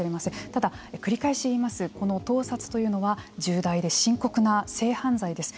ただ、繰り返し言いますがこの盗撮というのは重大で深刻な性犯罪です。